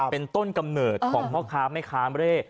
เป็นต้นกำเนิดของวะคล้าไม็ค้าไร้